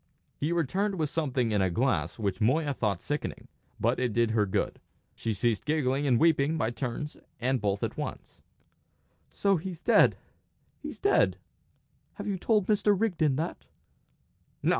He returned with something in a glass which Moya thought sickening. But it did her good. She ceased giggling and weeping by turns and both at once. "So he's dead he's dead! Have you told Mr. Rigden that?"